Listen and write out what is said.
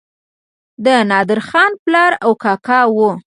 د نادرخان پلار او کاکا وو.